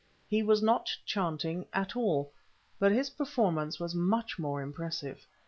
He was not chanting at all, but his performance was much more impressive.